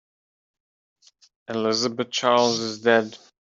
Elizabeth Charles is dead.